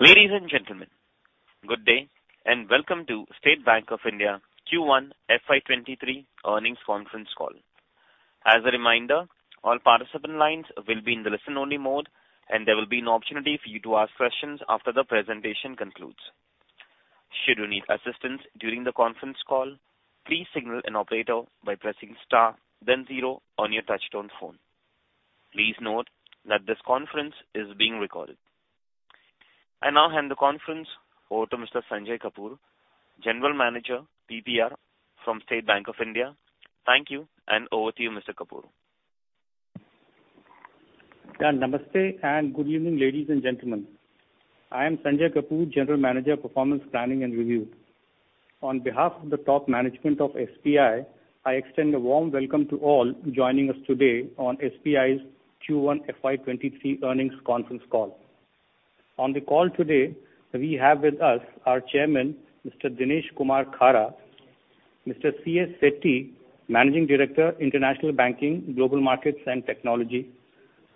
Ladies and gentlemen, good day and welcome to State Bank of India Q1 FY 2023 Earnings Conference Call. As a reminder, all participant lines will be in the listen-only mode, and there will be an opportunity for you to ask questions after the presentation concludes. Should you need assistance during the conference call, please signal an operator by pressing star then zero on your touchtone phone. Please note that this conference is being recorded. I now hand the conference over to Mr. Sanjay Kapoor, General Manager, PPR from State Bank of India. Thank you, and over to you, Mr. Kapoor. Yeah. Namaste and good evening, ladies and gentlemen. I am Sanjay Kapoor, General Manager, Performance Planning and Review. On behalf of the top management of SBI, I extend a warm welcome to all joining us today on SBI's Q1 FY 2023 Earnings Conference Call. On the call today, we have with us our chairman, Mr. Dinesh Kumar Khara, Mr. Challa Sreenivasulu Setty, Managing Director, International Banking, Global Markets and Technology,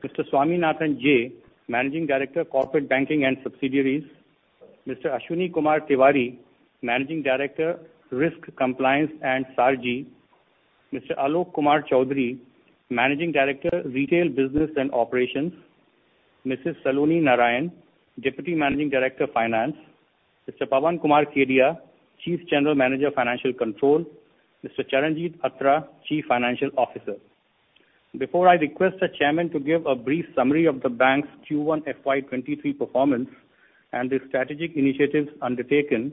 Mr. Swaminathan J, Managing Director, Corporate Banking and Subsidiaries, Mr. Ashwini Kumar Tewari, Managing Director, Risk Compliance and SARG, Mr. Alok Kumar Choudhary, Managing Director, Retail Business and Operations, Mrs. Saloni Narayan, Deputy Managing Director, Finance, Mr. Pawan Kumar Kedia, Chief General Manager, Financial Control, Mr. Charanjit Surinder Singh Attra, Chief Financial Officer. Before I request the Chairman to give a brief summary of the bank's Q1 FY 2023 performance and the strategic initiatives undertaken,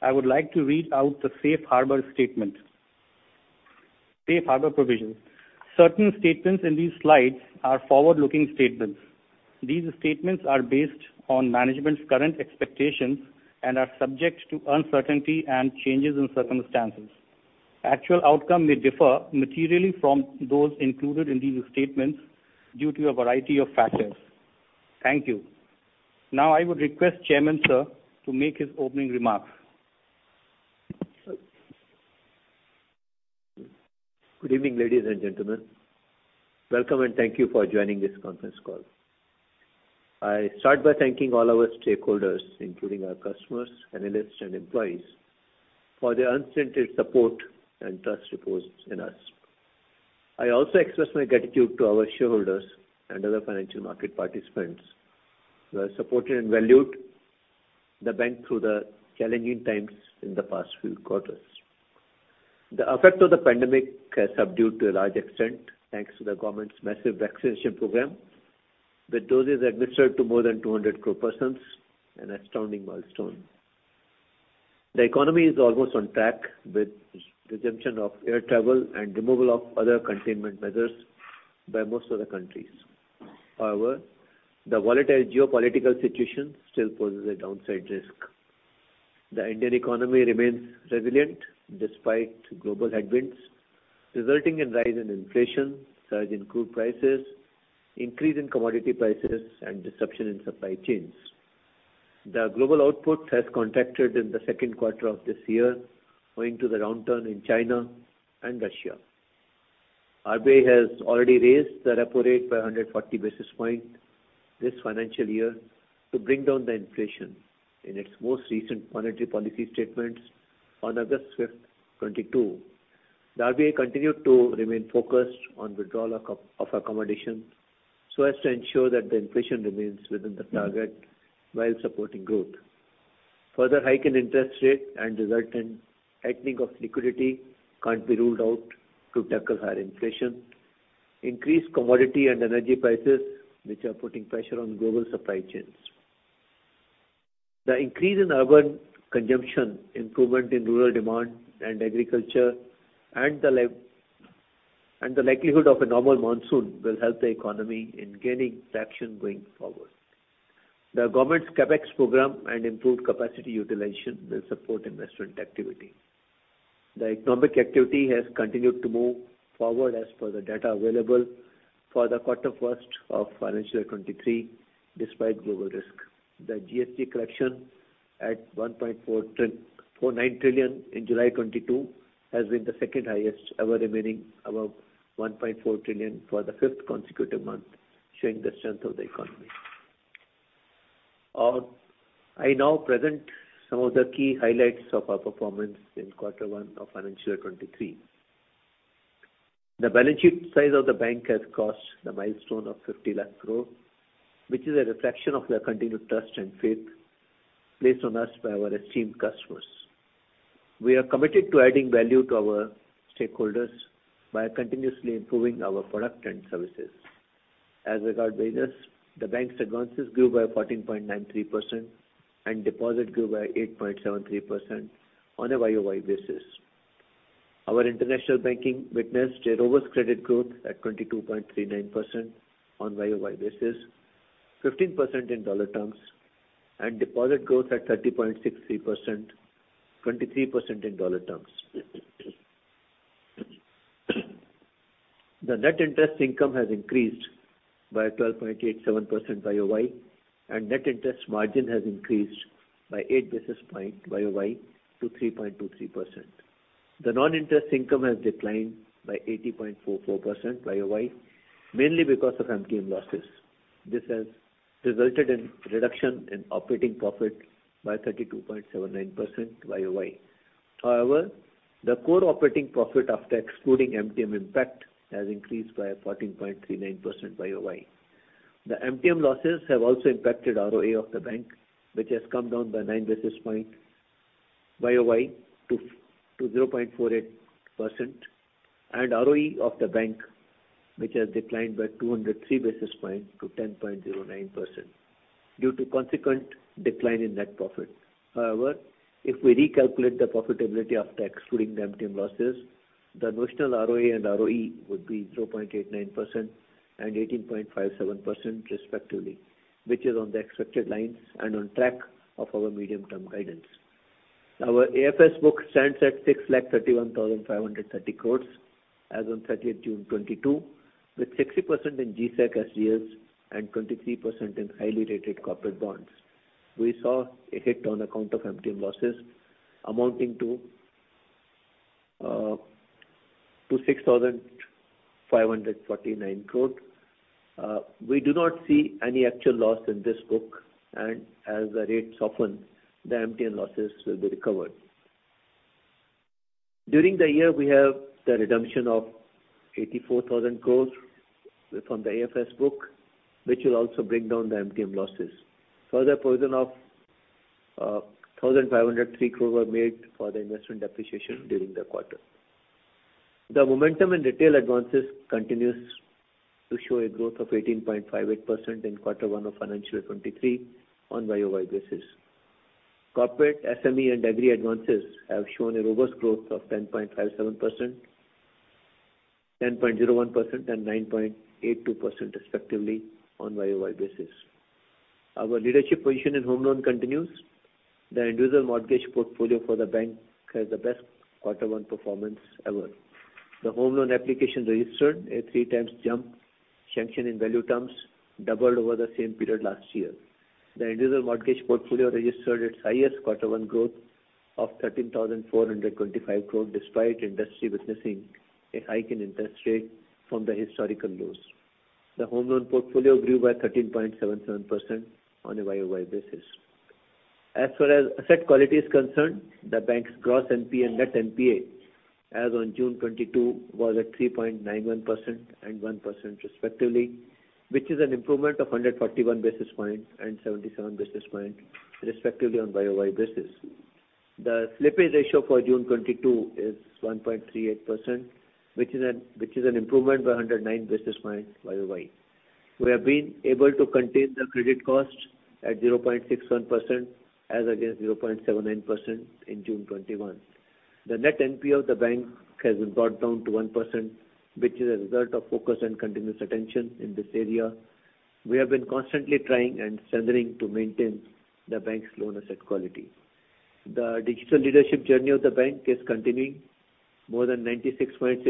I would like to read out the safe harbor statement. Safe harbor provision. Certain statements in these slides are forward-looking statements. These statements are based on management's current expectations and are subject to uncertainty and changes in circumstances. Actual outcome may differ materially from those included in these statements due to a variety of factors. Thank you. Now I would request Chairman, sir, to make his opening remarks. Good evening, ladies and gentlemen. Welcome and thank you for joining this conference call. I start by thanking all our stakeholders, including our customers, analysts and employees, for their unstinted support and trust reposed in us. I also express my gratitude to our shareholders and other financial market participants who have supported and valued the bank through the challenging times in the past few quarters. The effect of the pandemic has subdued to a large extent, thanks to the government's massive vaccination program, with doses administered to more than 200 crore persons, an astounding milestone. The economy is almost on track with resumption of air travel and removal of other containment measures by most of the countries. However, the volatile geopolitical situation still poses a downside risk. The Indian economy remains resilient despite global headwinds, resulting in rise in inflation, surge in crude prices, increase in commodity prices, and disruption in supply chains. The global output has contracted in the second quarter of this year owing to the downturn in China and Russia. RBI has already raised the repo rate by 140 basis points this financial year to bring down the inflation. In its most recent monetary policy statement on August 5, 2022, the RBI continued to remain focused on withdrawal of accommodation so as to ensure that the inflation remains within the target while supporting growth. Further hike in interest rate and resultant tightening of liquidity can't be ruled out to tackle higher inflation, increased commodity and energy prices, which are putting pressure on global supply chains. The increase in urban consumption, improvement in rural demand and agriculture and the likelihood of a normal monsoon will help the economy in gaining traction going forward. The government's CapEx program and improved capacity utilization will support investment activity. The economic activity has continued to move forward as per the data available for the first quarter of financial year 2023, despite global risk. The GST collection at 1.49 trillion in July 2022 has been the second highest ever, remaining above 1.4 trillion for the fifth consecutive month, showing the strength of the economy. I now present some of the key highlights of our performance in Q1 of financial year 2023. The balance sheet size of the bank has crossed the milestone of 50 lakh crore, which is a reflection of the continued trust and faith placed on us by our esteemed customers. We are committed to adding value to our stakeholders by continuously improving our product and services. As regards business, the bank's advances grew by 14.93% and deposit grew by 8.73% on a YoY basis. Our international banking witnessed a robust credit growth at 22.39% on YoY basis, 15% in dollar terms, and deposit growth at 30.63%, 23% in dollar terms. The net interest income has increased by 12.87% YoY, and net interest margin has increased by eight basis points YoY to 3.23%. The non-interest income has declined by 80.44% YoY, mainly because of MTM losses. This has resulted in reduction in operating profit by 32.79% YoY. However, the core operating profit after excluding MTM impact has increased by 14.39% YoY. The MTM losses have also impacted ROA of the bank, which has come down by nine basis points YoY to 0.48% and ROE of the bank, which has declined by 203 basis points to 10.09% due to consequent decline in net profit. However, if we recalculate the profitability after excluding the MTM losses, the notional ROA and ROE would be 0.89% and 18.57% respectively, which is on the expected lines and on track of our medium-term guidance. Our AFS book stands at 631,530 crore as on June 30 2022, with 60% in G-Sec, SDLs and 23% in highly rated corporate bonds. We saw a hit on account of MTM losses amounting to 6,549 crore. We do not see any actual loss in this book and as the rates soften, the MTM losses will be recovered. During the year, we have the redemption of 84,000 crore from the AFS book, which will also bring down the MTM losses. Further provision of 1,503 crore were made for the investment depreciation during the quarter. The momentum in retail advances continues to show a growth of 18.58% in Q1 of financial year 2023 on YoY basis. Corporate, SME and agri advances have shown a robust growth of 10.57%, 10.01% and 9.82% respectively on YoY basis. Our leadership position in home loan continues. The individual mortgage portfolio for the bank has the best Q1 performance ever. The home loan application registered a three times jump. Sanction in value terms doubled over the same period last year. The individual mortgage portfolio registered its highest quarter one growth of 13,425 crore despite industry witnessing a hike in interest rate from the historical lows. The home loan portfolio grew by 13.77% on a YoY basis. As far as asset quality is concerned, the bank's gross NPA and net NPA as on June 2022 was at 3.91% and 1% respectively, which is an improvement of 141 basis points and 77 basis points respectively on YoY basis. The slippage ratio for June 2022 is 1.38%, which is an improvement by 109 basis points YoY. We have been able to contain the credit cost at 0.61% as against 0.79% in June 2021. The net NPA of the bank has been brought down to 1%, which is a result of focus and continuous attention in this area. We have been constantly trying and ensuring to maintain the bank's loan asset quality. The digital leadership journey of the bank is continuing. More than 96.6%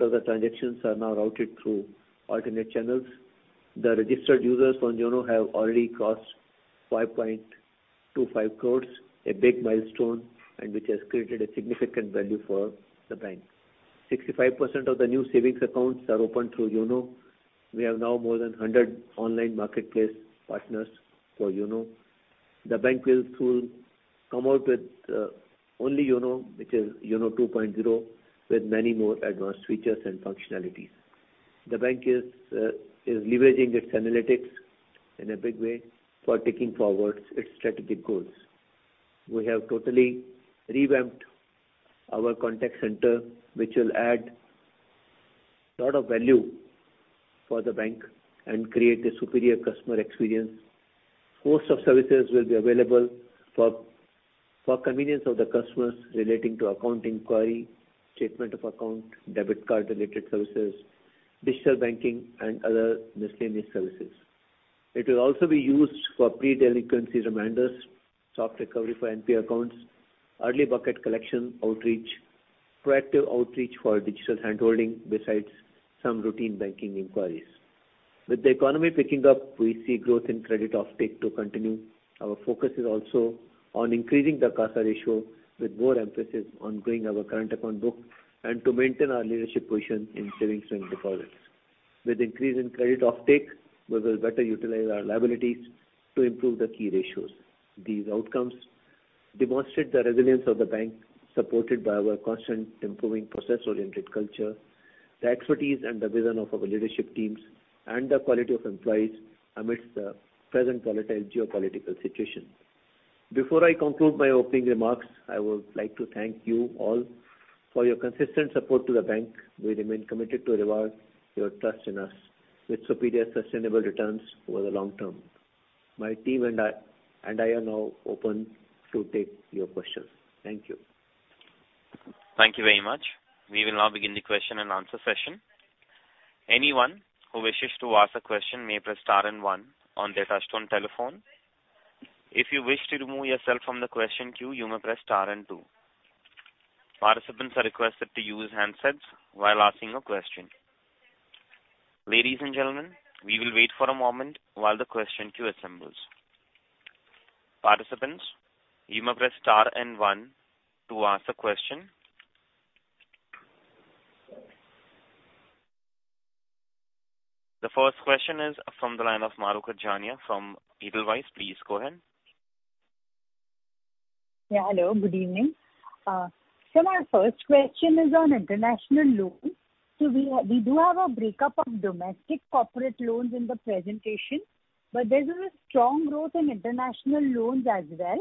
of the transactions are now routed through alternate channels. The registered users on YONO have already crossed 5.25 crores, a big milestone and which has created a significant value for the bank. 65% of the new savings accounts are opened through YONO. We have now more than 100 online marketplace partners for YONO. The bank will soon come out with YONO 2.0, with many more advanced features and functionalities. The bank is leveraging its analytics in a big way for taking forward its strategic goals. We have totally revamped our contact center, which will add lot of value for the bank and create a superior customer experience. host of services will be available for convenience of the customers relating to account inquiry, statement of account, debit card-related services, digital banking and other miscellaneous services. It will also be used for pre-delinquency reminders, soft recovery for NPA accounts, early bucket collection outreach, proactive outreach for digital handholding, besides some routine banking inquiries. With the economy picking up, we see growth in credit offtake to continue. Our focus is also on increasing the CASA ratio with more emphasis on growing our current account book and to maintain our leadership position in savings and deposits. With increase in credit offtake, we will better utilize our liabilities to improve the key ratios. These outcomes demonstrate the resilience of the bank supported by our constantly improving process-oriented culture, the expertise and the vision of our leadership teams and the quality of employees amidst the present volatile geopolitical situation. Before I conclude my opening remarks, I would like to thank you all for your consistent support to the bank. We remain committed to reward your trust in us with superior sustainable returns over the long term. My team and I are now open to take your questions. Thank you. Thank you very much. We will now begin the question and answer session. Anyone who wishes to ask a question may press star and one on their touchtone telephone. If you wish to remove yourself from the question queue, you may press star and two. Participants are requested to use handsets while asking a question. Ladies and gentlemen, we will wait for a moment while the question queue assembles. Participants, you may press star and one to ask a question. The first question is from the line of Mahrukh Adajania from Edelweiss. Please go ahead. Hello, good evening. My first question is on international loans. We do have a breakup of domestic corporate loans in the presentation, but there's a strong growth in international loans as well.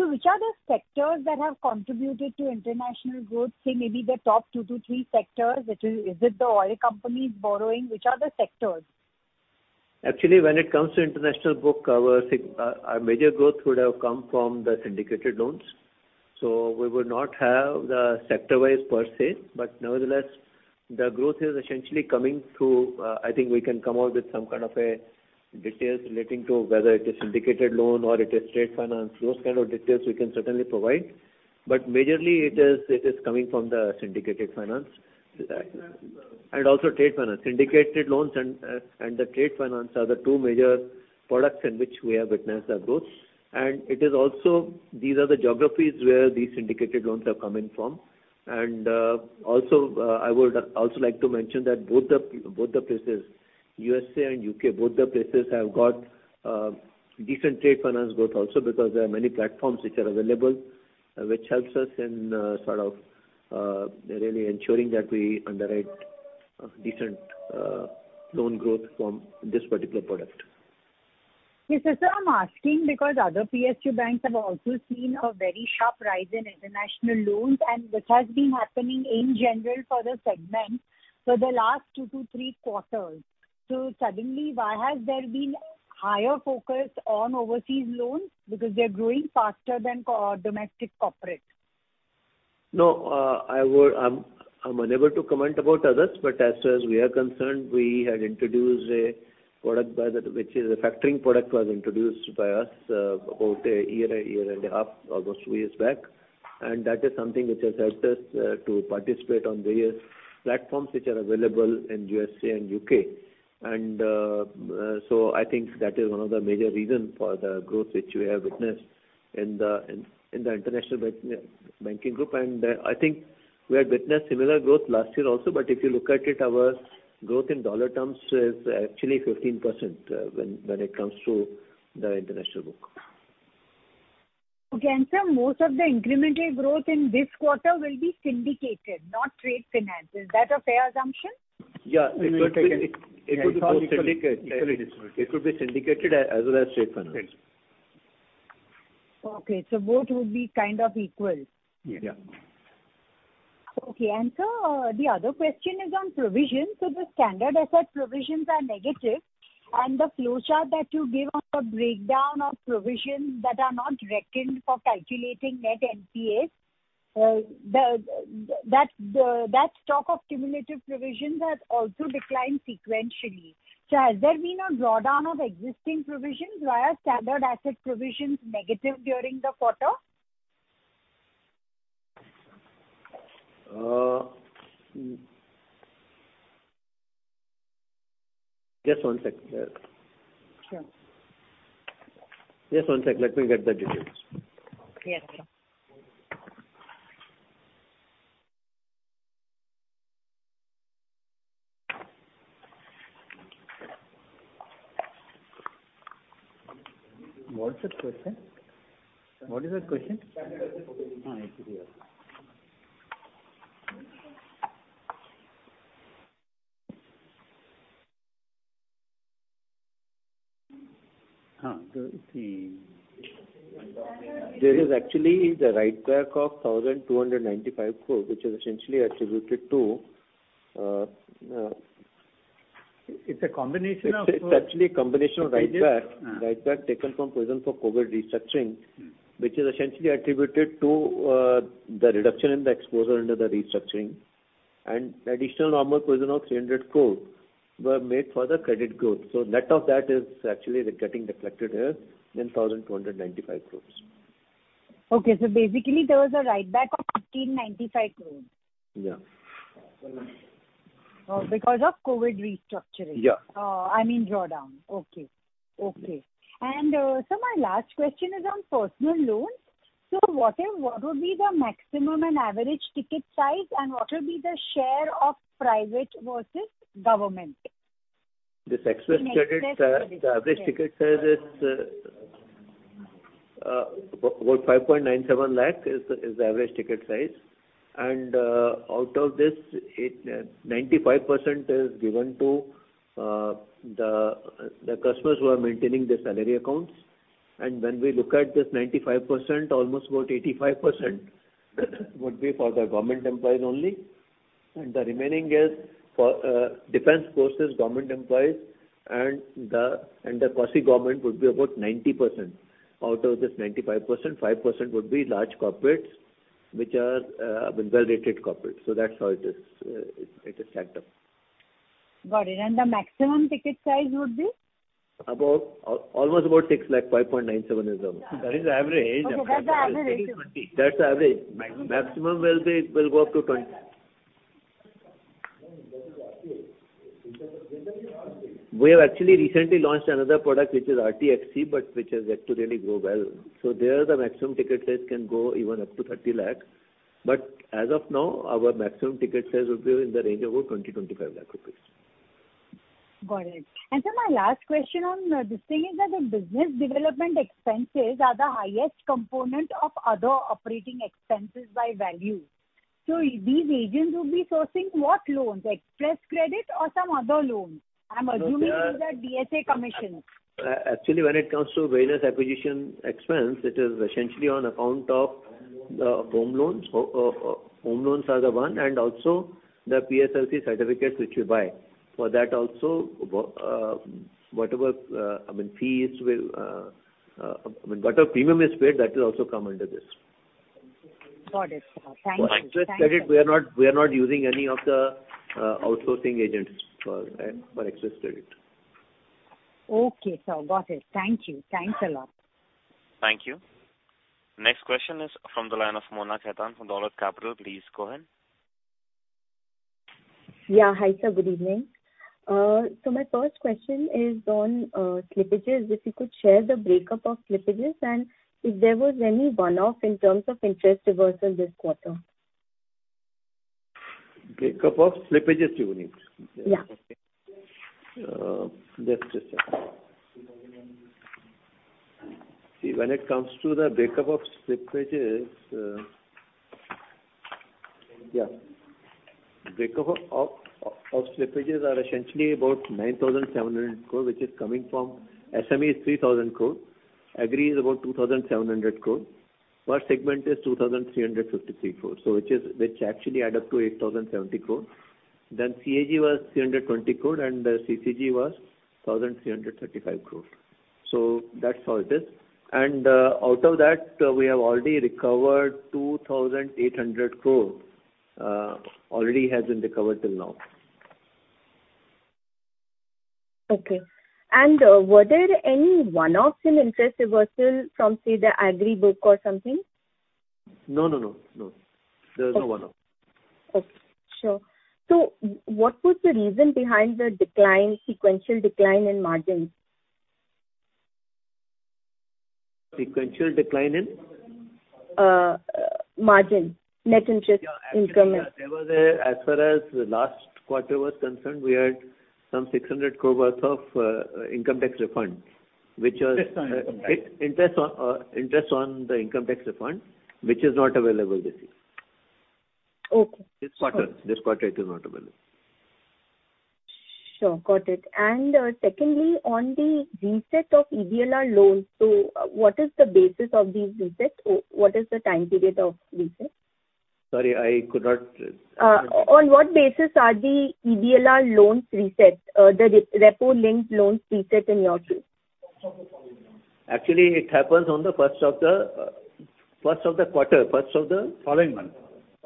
Which are the sectors that have contributed to international growth? Say maybe the top two to three sectors, which is it the oil companies borrowing? Which are the sectors? Actually, when it comes to international book, our major growth would have come from the syndicated loans. We would not have the sector-wise per se, but nevertheless, the growth is essentially coming through. I think we can come out with some kind of a details relating to whether it is syndicated loan or it is trade finance. Those kind of details we can certainly provide. But majorly it is coming from the syndicated finance. Trade finance. Also trade finance. Syndicated loans and the trade finance are the two major products in which we have witnessed a growth. These are the geographies where these syndicated loans have come in from. I would also like to mention that both the places, USA and U.K., both the places have got decent trade finance growth also because there are many platforms which are available, which helps us in sort of really ensuring that we underwrite decent loan growth from this particular product. Yes. Sir, I'm asking because other PSU banks have also seen a very sharp rise in international loans and this has been happening in general for the segment for the last two to three quarters. Suddenly, why has there been higher focus on overseas loans because they are growing faster than domestic corporates? No, I'm unable to comment about others, but as far as we are concerned, we had introduced a factoring product about a year and a half, almost two years back. That is something which has helped us to participate on various platforms which are available in USA and U.K.. I think that is one of the major reason for the growth which we have witnessed in the international banking group. I think we had witnessed similar growth last year also. If you look at it, our growth in dollar terms is actually 15%, when it comes to the international book. Okay. Sir, most of the incremental growth in this quarter will be syndicated, not trade finance. Is that a fair assumption? Yeah. We will take it. It could be syndicated. It could be syndicated as well as trade finance. Okay. Both would be kind of equal. Yeah. Okay. Sir, the other question is on provision. The standard asset provisions are negative and the flowchart that you give on the breakdown of provisions that are not reckoned for calculating net NPAs, that stock of cumulative provisions has also declined sequentially. Has there been a drawdown of existing provisions via standard asset provisions negative during the quarter? Just one second. Sure. Just one second. Let me get the details. Yeah, sure. What's the question? What is the question? There is actually the write back of 1,295 crore, which is essentially attributed to....... It's a combination of.... It's actually a combination of write back. Write back taken from provision for COVID restructuring, which is essentially attributed to the reduction in the exposure under the restructuring and additional normal provision of 300 crore were made for the credit growth. Net of that is actually getting reflected here in 1,295 crore. Okay. Basically there was a write back of 1,595 crore. Yeah. Because of COVID restructuring. Yeah. I mean, drawdown. Okay. Okay. My last question is on personal loans. What would be the maximum and average ticket size, and what will be the share of private versus government? This excess credit, the average ticket size is about 5.97 lakh, is the average ticket size. Out of this, it 95% is given to the customers who are maintaining the salary accounts. When we look at this 95%, almost about 85% would be for the government employees only. The remaining is for defense forces, government employees and the quasi-government would be about 90%. Out of this 95%, 5% would be large corporates, which are well-rated corporates. That's how it is stacked up. Got it. The maximum ticket size would be? About almost 6 lakh. 5.97 is average. That is average. Okay. That's the average. That is INR 20 lakh. That's the average. Maximum will go up to 20 lakh. We have actually recently launched another product which is RTXC, but which has yet to really grow well. There, the maximum ticket sales can go even up to 30 lakh. But as of now, our maximum ticket sales will be in the range of 20-25 lakh rupees. Got it. Sir, my last question on this thing is that the business development expenses are the highest component of other operating expenses by value. These agents will be sourcing what loans? Xpress Credit or some other loans? I'm assuming these are DSA commissions. Actually, when it comes to various acquisition expense, it is essentially on account of the home loans. Home loans are the one, and also the PSLC certificates which we buy. For that also, whatever, I mean fees will, I mean, whatever premium is paid, that will also come under this. Got it. Thank you. For Xpress Credit, we are not using any of the outsourcing agents for Xpress Credit. Okay, sir. Got it. Thank you. Thanks a lot. Thank you. Next question is from the line of Chintan Mehta from Dolat Capital. Please go ahead. Yeah. Hi, sir. Good evening. My first question is on slippages. If you could share the breakup of slippages and if there was any one-off in terms of interest reversal this quarter? Breakup of slippages you need. Yeah. Just a second. See, when it comes to the breakup of slippages. Breakup of slippages are essentially about 9,700 crore, which is coming from SMEs, 3,000 crore. Agri is about 2,700 crore. First segment is 2,353 crore. Which actually add up to 8,070 crore. Then CAG was 320 crore and CCG was 1,335 crore. So that's how it is. Out of that, we have already recovered 2,800 crore, already has been recovered till now. Okay. Were there any one-offs in interest reversal from, say, the agri book or something? No. There is no one-off. Okay. Sure. What was the reason behind the decline, sequential decline in margins? Sequential decline in? Margin. Net Interest Income. As far as last quarter was concerned, we had some 600 crore worth of income tax refund, which was interest on income tax. Interest on the income tax refund, which is not available this year. Okay. This quarter it is not available. Sure. Got it. Secondly, on the reset of EBLR loans, so what is the basis of these resets? What is the time period of resets? Sorry, I could not. On what basis are the EBLR loans reset, the repo-linked loans reset in your view? Actually, it happens on the first of the quarter? Following month.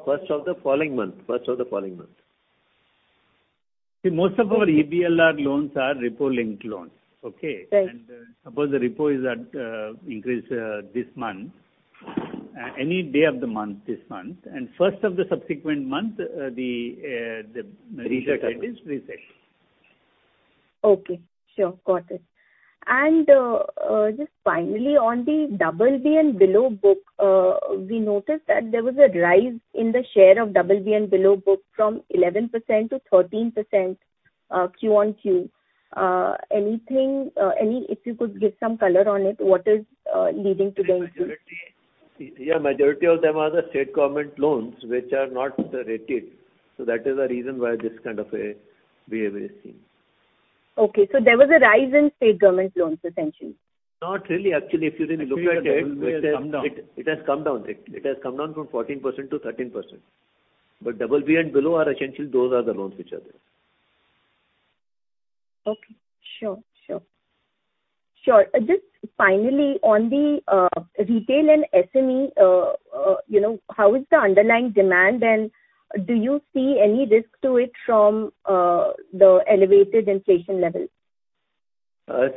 First of the following month. See, most of our EBLR loans are repo linked loans. Okay? Right. Suppose the repo is at increase this month, any day of the month, this month, and first of the subsequent month, the reset date is reset. Okay, sure. Got it. Just finally on the double B and below book, we noticed that there was a rise in the share of double B and below book from 11% to 13%, Q on Q. Anything? If you could give some color on it, what is leading to the increase? Yeah, majority of them are the state government loans which are not rated. That is the reason why this kind of a behavior is seen. Okay. There was a rise in state government loans, essentially. Not really. Actually, if you look at it has come down from 14% to 13%. But double B and below are essentially those are the loans which are there. Okay. Sure. Just finally, on the retail and SME, you know, how is the underlying demand and do you see any risk to it from the elevated inflation levels?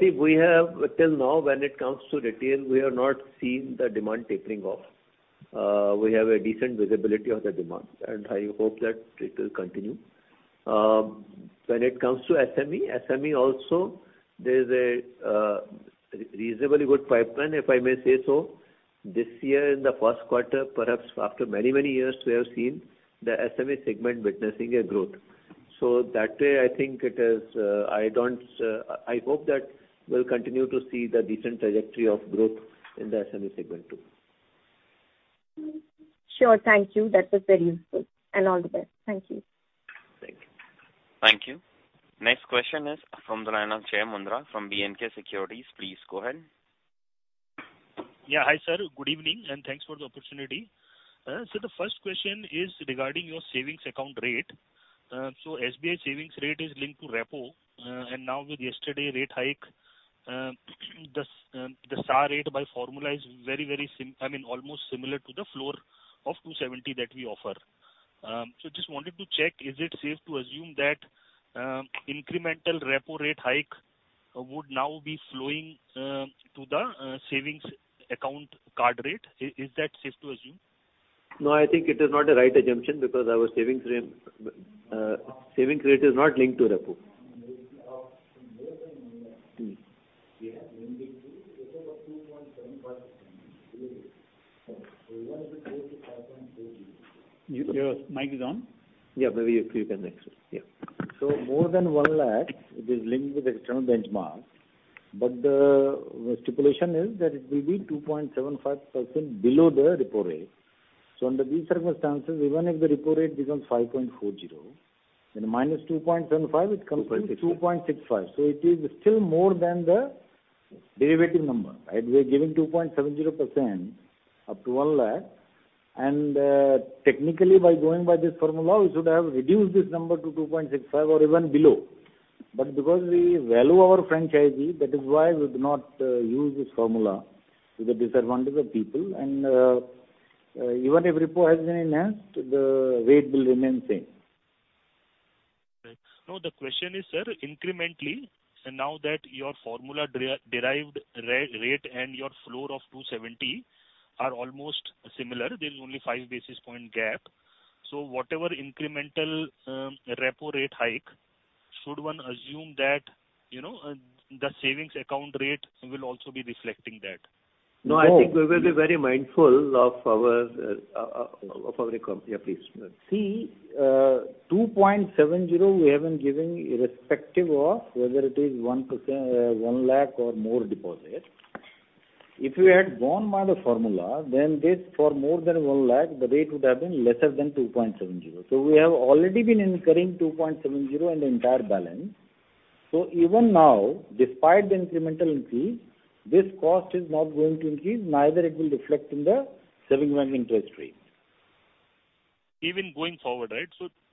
See, we have till now when it comes to retail, we have not seen the demand tapering off. We have a decent visibility of the demand, and I hope that it will continue. When it comes to SME also there is a reasonably good pipeline, if I may say so. This year in Q1, perhaps after many, many years, we have seen the SME segment witnessing a growth. That way I think it is, I hope that we'll continue to see the decent trajectory of growth in the SME segment too. Sure. Thank you. That was very useful. All the best. Thank you. Thank you. Thank you. Next question is from the line of Jai Mundhra from B&K Securities. Please go ahead. Yeah. Hi, sir. Good evening, and thanks for the opportunity. The first question is regarding your savings account rate. SBI savings rate is linked to repo. Now with yesterday rate hike, the SAR rate by formula is, I mean, almost similar to the floor of 2.70% that we offer. Just wanted to check, is it safe to assume that incremental repo rate hike would now be flowing to the savings account card rate? Is that safe to assume? No, I think it is not the right assumption because our savings rate is not linked to repo. Your mic is on. Yeah. Maybe if you can access. Yeah. More than 1 lakh, it is linked with external benchmark, but the stipulation is that it will be 2.75% below the repo rate. Under these circumstances, even if the repo rate becomes 5.40%, then minus 2.75, it comes to 2.65%. It is still more than the desired number. Right? We are giving 2.70% up to 1 lakh. Technically, by going by this formula, we should have reduced this number to 2.65% or even below. Because we value our franchise, that is why we do not use this formula to the disadvantage of people. Even if repo has been enhanced, the rate will remain same. Right. No, the question is, sir, incrementally and now that your formula-derived rate and your floor of 2.70 are almost similar, there is only five basis points gap. Whatever incremental repo rate hike should one assume that, you know, the savings account rate will also be reflecting that. No, I think we will be very mindful of our company. Yeah, please. See, 2.70 we have been giving irrespective of whether it is 1%, 1 lakh or more deposit. If we had gone by the formula, then this for more than 1 lakh, the rate would have been lesser than 2.70. We have already been incurring 2.70 in the entire balance. Even now, despite the incremental increase, this cost is not going to increase. Neither it will reflect in the savings bank interest rate. Even going forward, right.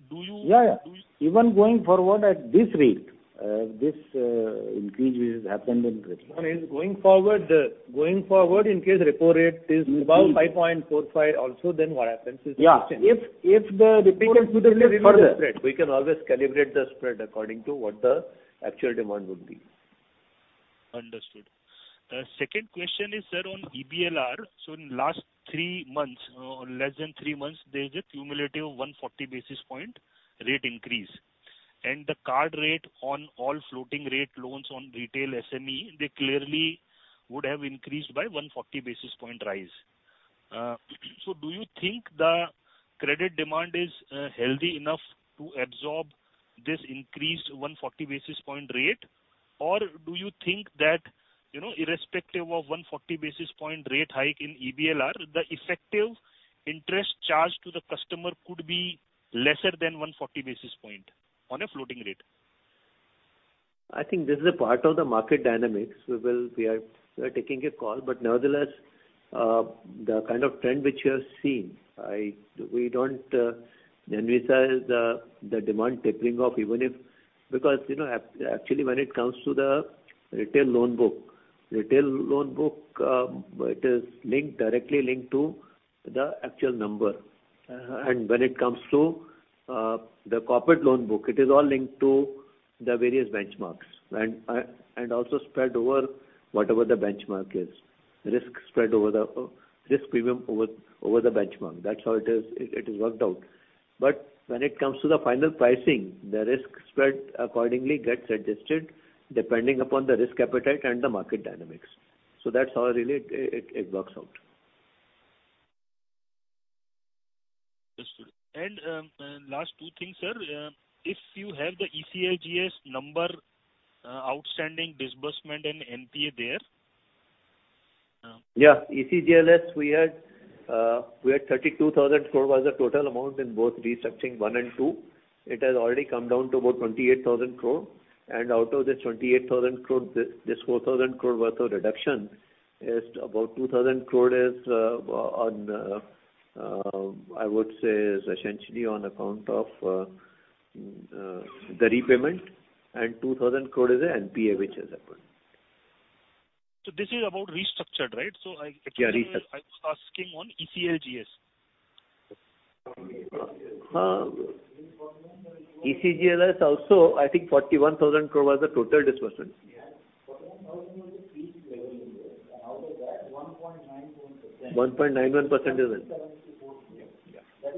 Do you- Yeah, yeah. Even going forward at this rate, this, increase which has happened in- No. Is going forward in case repo rate is above 5.45 also, then what happens is the question. Yeah. If the repo rate, we can always calibrate the spread according to what the actual demand would be. Understood. Second question is, sir, on EBLR. In last three months or less than three months, there is a cumulative 140 basis point rate increase and the card rate on all floating rate loans on retail SME, they clearly would have increased by 140 basis point rise. Do you think the credit demand is healthy enough to absorb this increased 140 basis point rate? Or do you think that, you know, irrespective of 140 basis point rate hike in EBLR, the effective interest charged to the customer could be lesser than 140 basis point on a floating rate? I think this is a part of the market dynamics. We are taking a call, but nevertheless, the kind of trend which you have seen, we don't envisage the demand tapering off even if because, you know, actually when it comes to the retail loan book, it is directly linked to the actual number. Uh-huh. When it comes to the corporate loan book, it is all linked to the various benchmarks and also spread over whatever the benchmark is. Risk premium over the benchmark. That's how it is worked out. When it comes to the final pricing, the risk spread accordingly gets adjusted depending upon the risk appetite and the market dynamics. That's how really it works out. Understood. Last two things, sir. If you have the ECLGS number, outstanding disbursement and NPA there. Yeah. ECLGS we had 32,000 crore was the total amount in both restructuring one and two. It has already come down to about 28,000 crore. Out of this 28,000 crore, this 4,000 crore worth of reduction is about 2,000 crore, I would say, essentially on account of the repayment and 2,000 crore is a NPA which has happened. This is about restructured, right? I was asking on ECLGS. ECLGS also I think 41,000 crore was the total disbursement. 1.9% is it? Yeah.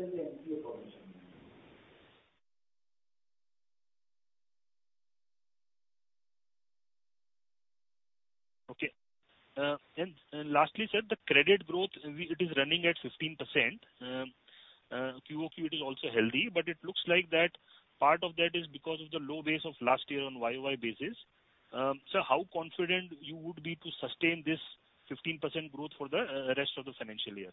Lastly, sir, the credit growth it is running at 15%. QOQ it is also healthy, but it looks like that part of that is because of the low base of last year on YoY basis. Sir, how confident you would be to sustain this 15% growth for the rest of the financial year?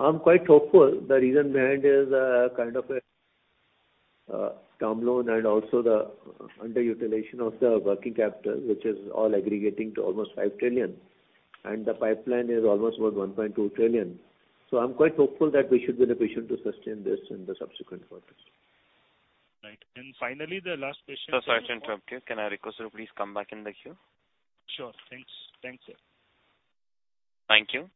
I'm quite hopeful. The reason behind is kind of a term loan and also the underutilization of the working capital, which is all aggregating to almost 5 trillion, and the pipeline is almost about 1.2 trillion. I'm quite hopeful that we should be in a position to sustain this in the subsequent quarters. Right. Finally, the last question. Sir, sorry to interrupt you. Can I request you to please come back in the queue? Sure. Thanks. Thanks, sir. Thank you.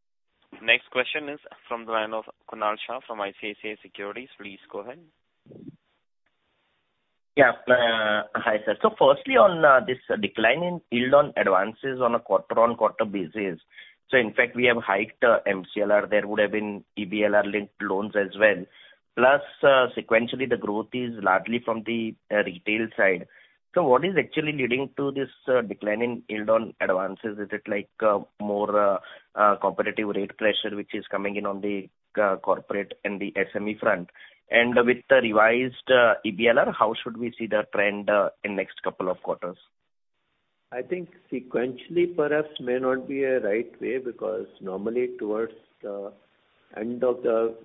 Next question is from the line of Kunal Shah from ICICI Securities. Please go ahead. Yeah. Hi, sir. Firstly, on this decline in yield on advances on a quarter-over-quarter basis, in fact, we have hiked MCLR. There would have been EBLR-linked loans as well, plus, sequentially, the growth is largely from the retail side. What is actually leading to this decline in yield on advances? Is it like more competitive rate pressure which is coming in on the corporate and the SME front? With the revised EBLR, how should we see the trend in next couple of quarters? I think sequentially perhaps may not be a right way because normally towards the end of the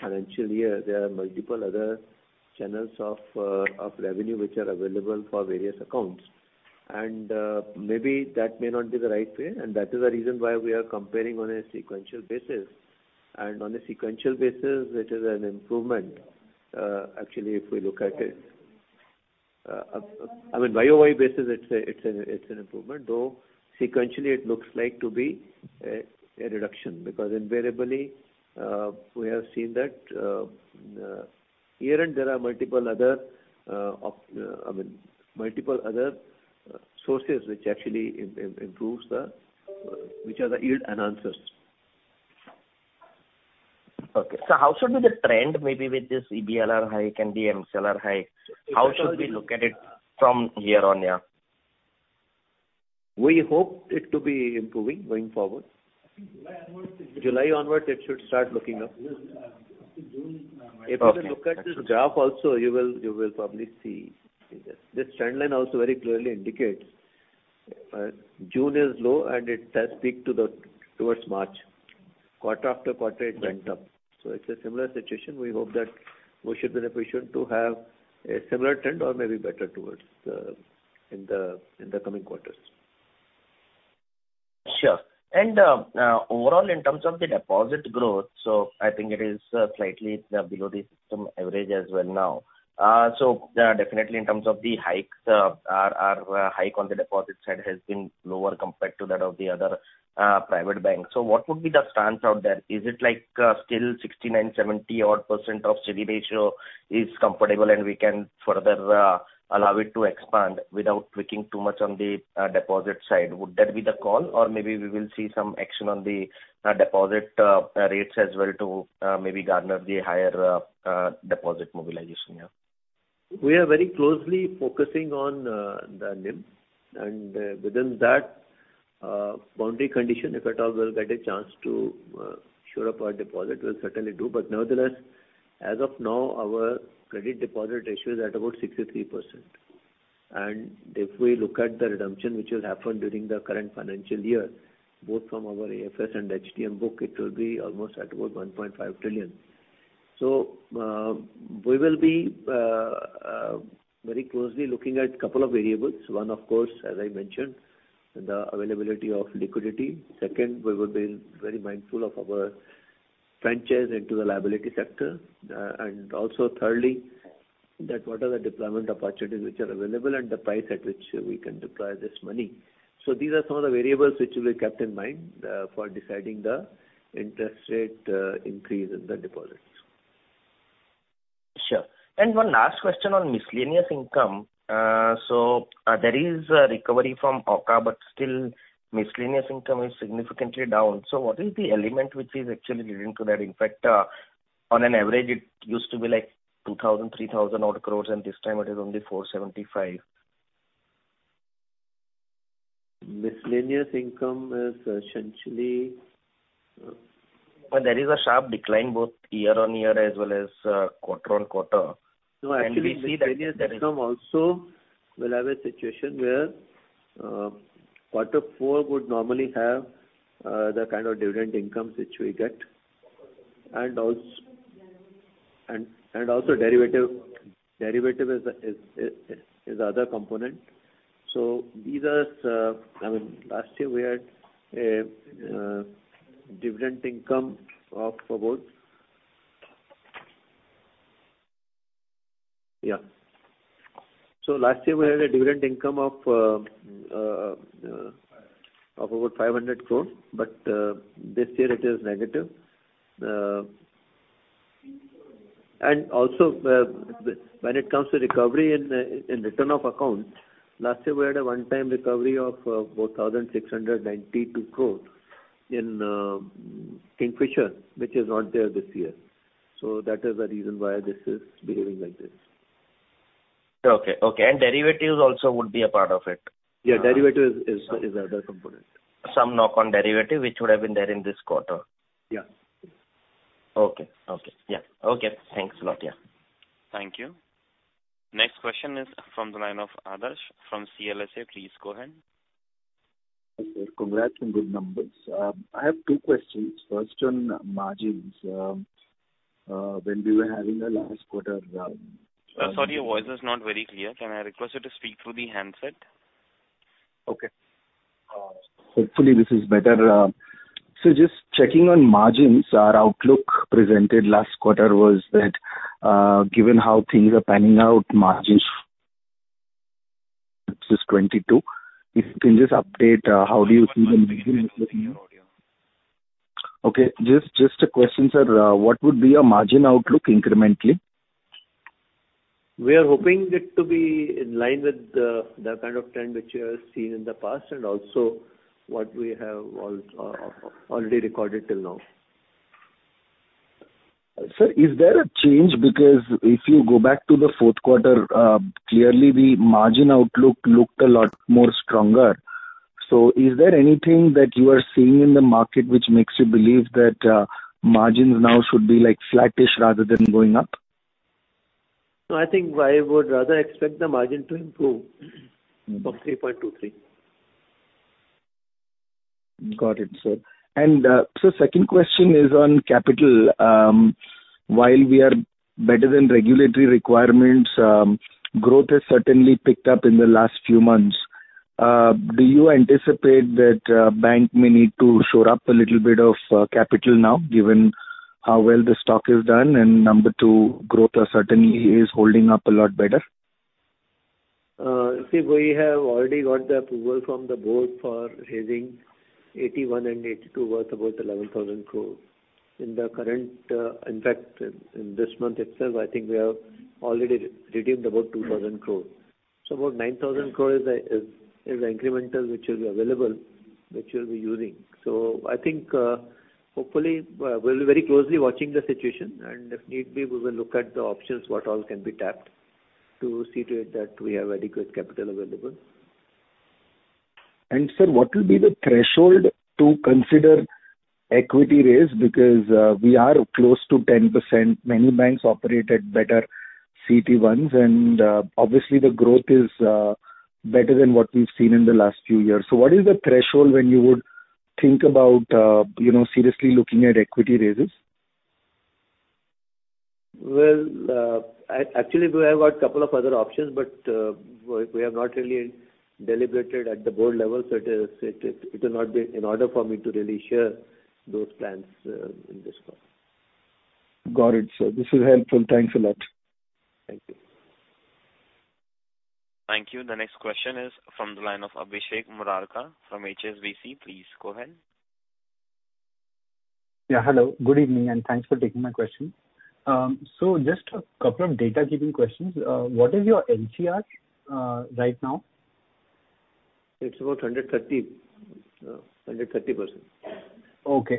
financial year, there are multiple other channels of revenue which are available for various accounts. Maybe that may not be the right way and that is the reason why we are comparing on a sequential basis. On a sequential basis, it is an improvement. Actually, if we look at it, I mean, YoY basis it's an improvement, though sequentially it looks like to be a reduction. Because invariably, we have seen that year-end there are multiple other sources which actually are the yield enhancers. Okay. How should be the trend maybe with this EBLR hike and the MCLR hike? How should we look at it from here on, yeah? We hope it to be improving going forward. I think July onwards it will. July onwards it should start looking up. Yeah. Because up to June. If you look at this graph also, you will probably see this. This trend line also very clearly indicates June is low and it does peak towards March. Quarter after quarter it went up, so it's a similar situation. We hope that we should be efficient to have a similar trend or maybe better towards the in the coming quarters. Sure. Overall, in terms of the deposit growth, I think it is slightly below the system average as well now. Definitely in terms of the hikes, our hike on the deposit side has been lower compared to that of the other private banks. What would be the stance out there? Is it like still 69%, 70 odd% of CD ratio is comfortable and we can further allow it to expand without tweaking too much on the deposit side? Would that be the call, or maybe we will see some action on the deposit rates as well to maybe garner the higher deposit mobilization, yeah? We are very closely focusing on the NIM and within that boundary condition, if at all we'll get a chance to shore up our deposit, we'll certainly do. Nevertheless, as of now, our CD ratio is at about 63%. If we look at the redemption which will happen during the current financial year, both from our AFS and HTM book, it will be almost at about 1.5 trillion. We will be very closely looking at couple of variables. One, of course, as I mentioned, the availability of liquidity. Second, we will be very mindful of our franchise into the liability sector. Also thirdly, that what are the deployment opportunities which are available and the price at which we can deploy this money. These are some of the variables which will be kept in mind for deciding the interest rate increase in the deposits. Sure. One last question on miscellaneous income. There is a recovery from OCA, but still miscellaneous income is significantly down. What is the element which is actually leading to that? In fact, on an average it used to be like 2,000-3,000 odd crores and this time it is only 475 crores. Miscellaneous income is essentially. There is a sharp decline both year-on-year as well as quarter-on-quarter. No, actually. We see that. Miscellaneous income also will have a situation where Q4 would normally have the kind of dividend income which we get and also derivative is other component. These are, I mean, last year we had a dividend income of about 500 crore, but this year it is negative. Also, when it comes to recovery in written-off accounts, last year we had a one-time recovery of 4,692 crore in Kingfisher Airlines, which is not there this year. That is the reason why this is behaving like this. Okay. Okay. Derivatives also would be a part of it? Yeah, derivative is the other component. Some knock on derivative which would have been there in this quarter? Yeah. Okay. Yeah. Okay. Thanks a lot. Yeah. Thank you. Next question is from the line of Adarsh from CLSA. Please go ahead. Hi, sir. Congrats on good numbers. I have two questions. First on margins. When we were having the last quarter.... Sorry, your voice is not very clear. Can I request you to speak through the handset? Okay. Hopefully this is better. Just checking on margins, our outlook presented last quarter was that, given how things are panning out, margins, which is 22%. If you can just update, how do you see the. Okay. Just a question, sir. What would be your margin outlook incrementally? We are hoping it to be in line with the kind of trend which you have seen in the past, and also what we have already recorded till now. Sir, is there a change? Because if you go back to Q4, clearly the margin outlook looked a lot more stronger. Is there anything that you are seeing in the market which makes you believe that, margins now should be, like, flattish rather than going up? No, I think I would rather expect the margin to improve from 3.23%. Got it, sir. Second question is on capital. While we are better than regulatory requirements, growth has certainly picked up in the last few months. Do you anticipate that bank may need to shore up a little bit of capital now, given how well the stock has done and, number two, growth is certainly holding up a lot better? See, we have already got the approval from the board for raising 81 and 82, worth about 11,000 crore. In the current, in fact, in this month itself, I think we have already redeemed about 2,000 crore. About 9,000 crores is incremental, which will be available, which we'll be using. I think, hopefully, we'll be very closely watching the situation, and if need be, we will look at the options, what all can be tapped to see to it that we have adequate capital available. Sir, what will be the threshold to consider equity raise because we are close to 10%. Many banks operate at better CET1s and obviously the growth is better than what we've seen in the last few years. What is the threshold when you would think about, you know, seriously looking at equity raises? Well, actually, we have got a couple of other options, but we have not really deliberated at the board level, so it will not be in order for me to really share those plans in this call. Got it, sir. This is helpful. Thanks a lot. Thank you. Thank you. The next question is from the line of Abhishek Murarka from HSBC. Please go ahead. Yeah. Hello, good evening, and thanks for taking my question. Just a couple of data-giving questions. What is your PCR right now? It's about 130%. Okay.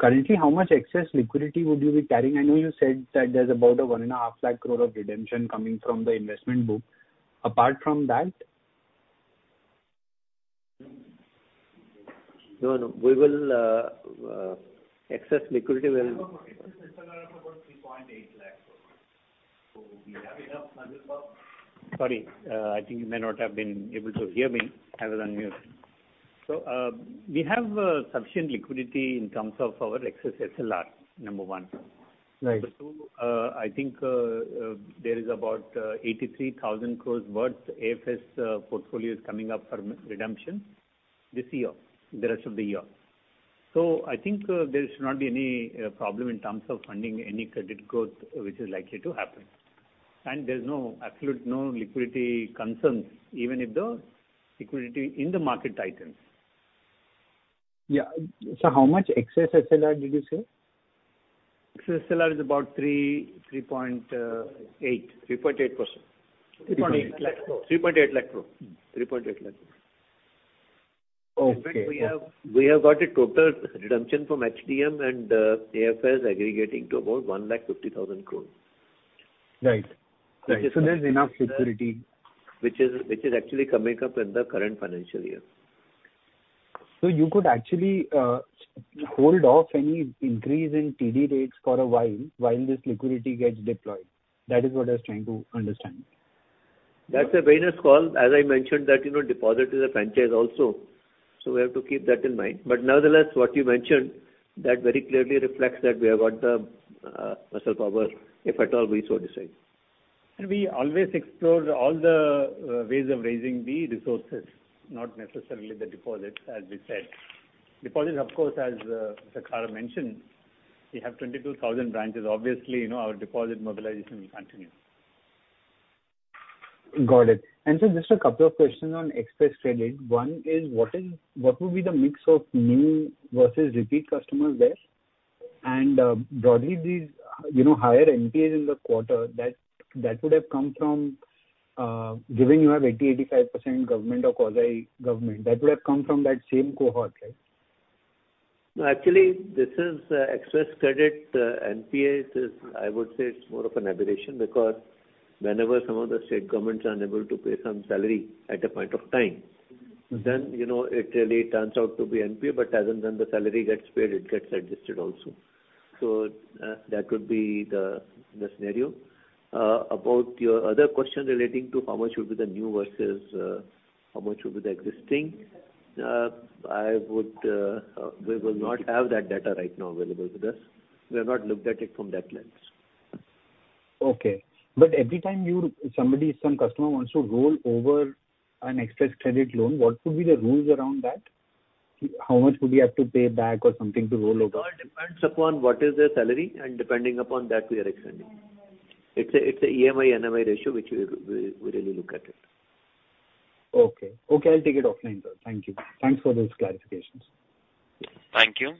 Currently, how much excess liquidity would you be carrying? I know you said that there's about 150,000 crore of redemption coming from the investment book. Apart from that? No, no. Excess liquidity will..... About 36% SLR of about INR 3.8 lakh crore. We have enough buffer. Sorry, I think you may not have been able to hear me. I was on mute. We have sufficient liquidity in terms of our excess SLR, number one. Right. Number two, I think, there is about 83,000 crore worth of AFS portfolios coming up for redemption this year, the rest of the year. I think, there should not be any problem in terms of funding any credit growth which is likely to happen. There's absolutely no liquidity concerns, even if the liquidity in the market tightens. Yeah. How much excess SLR did you say? Excess SLR is about 3.8%. 3.8 lakh crore. 3.8 lakh crore. Okay. In fact, we have got a total redemption from HTM and AFS aggregating to about 1.5 lakh crore. Right. There's enough liquidity. Which is actually coming up in the current financial year. You could actually hold off any increase in TD rates for a while this liquidity gets deployed. That is what I was trying to understand. That's a very nice call. As I mentioned that, you know, deposit is a franchise also, so we have to keep that in mind. Nonetheless, what you mentioned, that very clearly reflects that we have got the muscle power, if at all we so decide. We always explore all the ways of raising the resources, not necessarily the deposits, as we said. Deposits, of course, as Khara mentioned, we have 22,000 branches. Obviously, you know, our deposit mobilization will continue. Got it. Just a couple of questions on Xpress Credit. One is what would be the mix of new versus repeat customers there? Broadly these, you know, higher NPAs in the quarter, that would have come from, given you have 80%-85% government or quasi-government, that would have come from that same cohort, right? No, actually, this is Xpress Credit NPAs. I would say it's more of an aberration because whenever some of the state governments are unable to pay some salary at a point of time. Mm-hmm. You know, it really turns out to be NPA. But as and when the salary gets paid, it gets adjusted also. That would be the scenario. About your other question relating to how much would be the new versus how much would be the existing, we will not have that data right now available with us. We have not looked at it from that lens. Okay. Every time some customer wants to roll over an Xpress Credit loan, what would be the rules around that? How much would we have to pay back or something to roll over? It all depends upon what is their salary and depending upon that we are extending. It's a EMI/NMI ratio which we really look at it. Okay. Okay, I'll take it offline, sir. Thank you. Thanks for those clarifications. Thank you.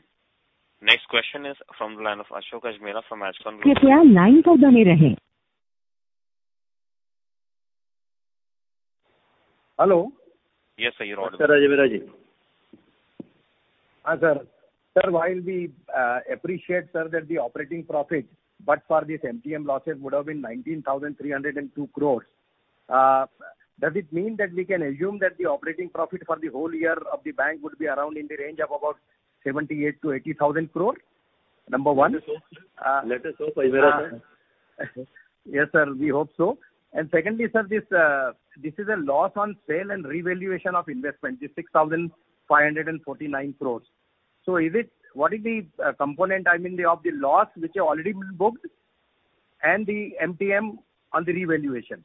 Next question is from the line of Ashok Ajmera from Ajcon Global Services Ltd. Hello? Yes, Ashok. Ashok Ajmera. Hi, sir. Sir, while we appreciate, sir, that the operating profit, but for this MTM losses would have been 19,302 crores. Does it mean that we can assume that the operating profit for the whole year of the bank would be around in the range of about 78,000-80,000 crores? Number one. Let us hope so. Let us hope, Ajmera sir. Secondly, sir, this is a loss on sale and revaluation of investment, this 6,549 crores. What is the component, I mean, of the loss which you already booked and the MTM on the revaluation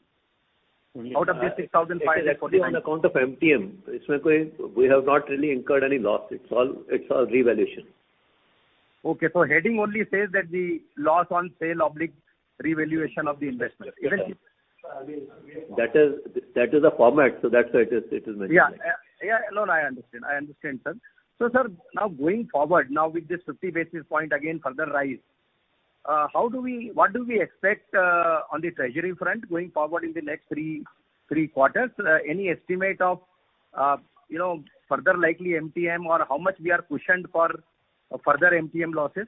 out of this INR 6,549 crores? It is actually on account of MTM. Okay. We have not really incurred any loss. It's all revaluation. Okay. Heading only says that the loss on sale or revaluation of the investment, isn't it? That is a format, so that's why it is mentioned like that. Yeah. Yeah, no, I understand. I understand, sir. Sir, now going forward, now with this 50 basis point again further rise, what do we expect on the treasury front going forward in the next three quarters? Any estimate of, you know, further likely MTM or how much we are cushioned for further MTM losses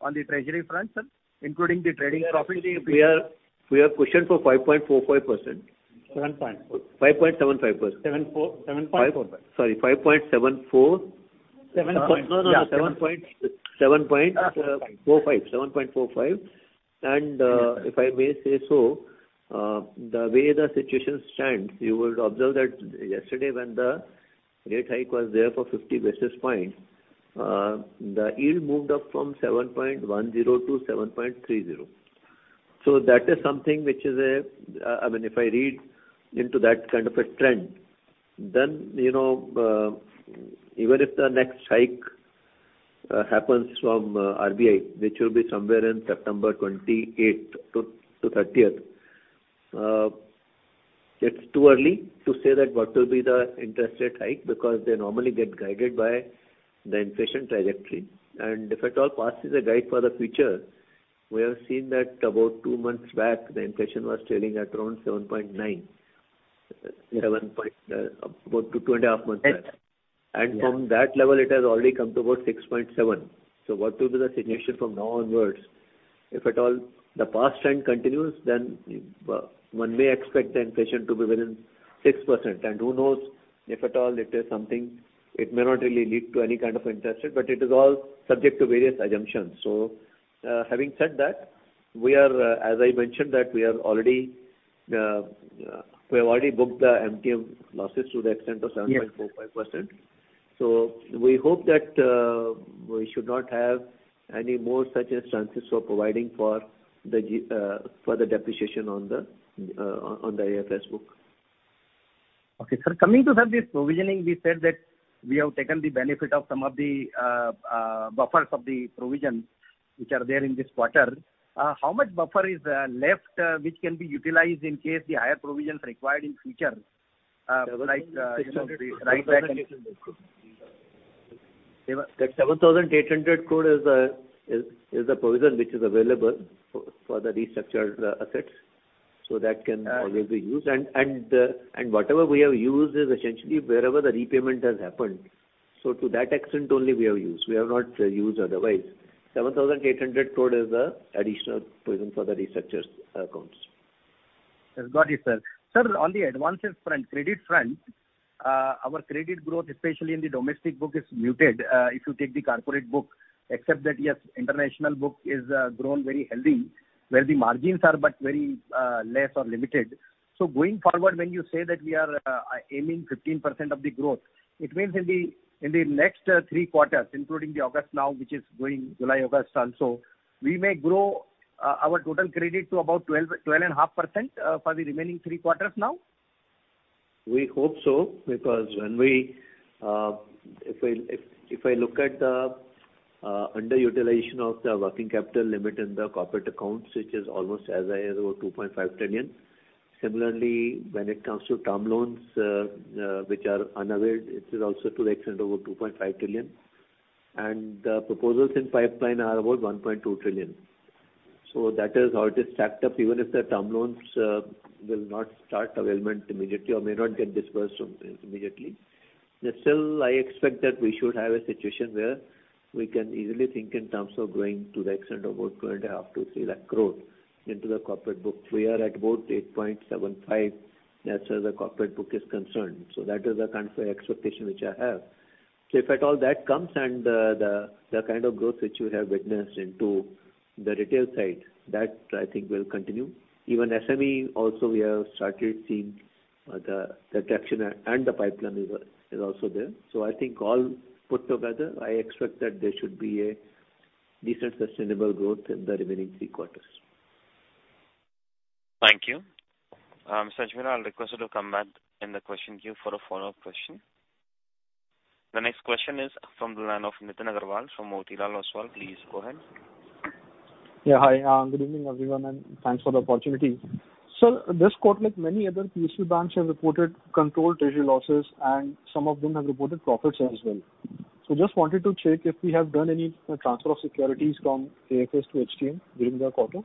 on the treasury front, sir, including the trading profit we have made? We are cushioned for 5.45%. 5.75%. 7.4%, 7.45%. Sorry, 5.74%.- No, no. 7.45. If I may say so, the way the situation stands, you would observe that yesterday when the rate hike was there for 50 basis points, the yield moved up from 7.10 to 7.30. That is something, I mean, if I read into that kind of a trend, you know, even if the next hike happens from RBI, which will be somewhere in September 28-30, it's too early to say that what will be the interest rate hike because they normally get guided by the inflation trajectory. If at all past is a guide for the future, we have seen that about two and a half months back, the inflation was trailing at around 7.9. From that level, it has already come to about 6.7. What will be the situation from now onwards? If at all the past trend continues, then one may expect the inflation to be within 6%. Who knows if at all it is something, it may not really lead to any kind of interest rate, but it is all subject to various assumptions. Having said that, as I mentioned, we have already booked the MTM losses to the extent of 7.45%.We hope that we should not have any more such instances for providing for the depreciation on the AFS book. Okay. Sir, coming to, sir, this provisioning, we said that we have taken the benefit of some of the buffers of the provisions which are there in this quarter. How much buffer is left, which can be utilized in case the higher provisions required in future, like, you know, the write back. That 7,800 crore is the provision which is available for the restructured assets so that can always be used. Whatever we have used is essentially wherever the repayment has happened. To that extent only we have used. We have not used otherwise. 7,800 crore is the additional provision for the restructured accounts. Yes, got you, sir. Sir, on the advances front, credit front, our credit growth, especially in the domestic book, is muted. If you take the corporate book, except that, yes, international book is grown very healthy, where the margins are but very less or limited. Going forward, when you say that we are aiming 15% of the growth, it means in the next three quarters, including August now, which is going July, August also, we may grow our total credit to about 12.5%, for the remaining three quarters now? We hope so because when we, if I look at the underutilization of the working capital limit in the corporate accounts, which is almost as high as over 2.5 trillion. Similarly, when it comes to term loans, which are unavailed, it is also to the extent of over 2.5 trillion. The proposals in pipeline are about 1.2 trillion. That is how it is stacked up even if the term loans will not start availment immediately or may not get disbursed immediately. Still, I expect that we should have a situation where we can easily think in terms of growing to the extent of about 2.5-3 lakh crore into the corporate book. We are at about 8.75% as far as the corporate book is concerned, so that is the kind of expectation which I have. If at all that comes and the kind of growth which you have witnessed into the retail side, that I think will continue. Even SME also we have started seeing the traction and the pipeline is also there. I think all put together, I expect that there should be a decent sustainable growth in the remaining three quarters. Thank you. Sajina, I'll request you to come back in the question queue for a follow-up question. The next question is from the line of Nitin Aggarwal from Motilal Oswal. Please go ahead. Yeah, hi. Good evening, everyone, and thanks for the opportunity. Sir, this quarter, like many other PSU banks, have reported controlled treasury losses, and some of them have reported profits as well. Just wanted to check if we have done any transfer of securities from AFS to HTM during the quarter.